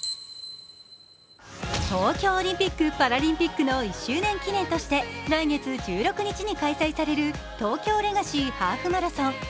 東京オリンピックパラリンピックの１周年記念として来月１６日に開催される東京レガシーハーフマラソン。